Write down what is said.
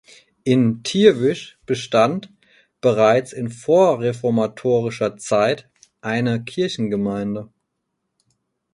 In Theerwisch bestand bereits in vorreformatorischer Zeit eine Kirchengemeinde.